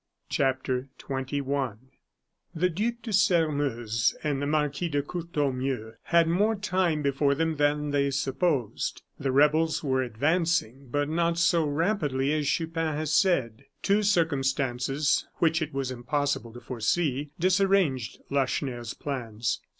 CHAPTER XXI The Duc de Sairmeuse and the Marquis de Courtornieu had more time before them than they supposed. The rebels were advancing, but not so rapidly as Chupin had said. Two circumstances, which it was impossible to foresee, disarranged Lacheneur's plans.